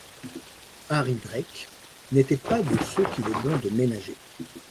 Harry Drake n’était pas de ceux qu’il est bon de ménager.